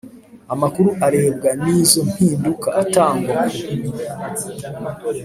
Amakuru arebwa n izo mpinduka atangwa ku